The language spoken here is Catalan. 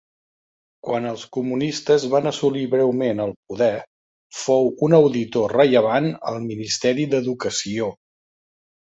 Quan els Comunistes van assolir breument el poder, fou un auditor rellevant al Ministeri d'Educació.